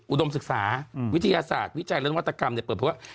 อุดมศึกษาอืมวิทยาศาสตร์วิจัยและวัตกรรมเนี่ยเปิดเพราะว่า